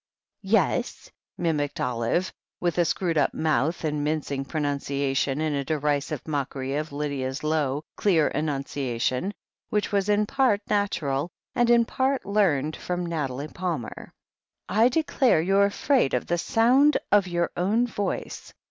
^'Yesf" mimicked Olive, with a sere wed up mouth and mincing pronunciation, in derisive modcery of Lydia's low, clear enunciation, which was in part natural, and in part learnt from Nathalie Palmer. "I declare you're afraid of the sound of your own voice.